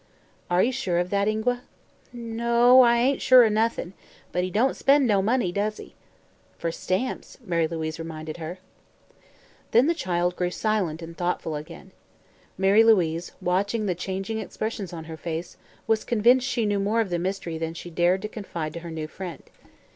"Are you sure of that, Ingua?" "N o, I ain't sure o' noth'n. But he don't spend no money, does he?" "For stamps," Mary Louise reminded her. Then the child grew silent and thoughtful again. Mary Louise, watching the changing expressions on her face, was convinced she knew more of the mystery than she dared confide to her new friend.